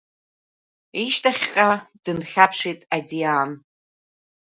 Ишьҭахьҟа дынхьаԥшит Адиан.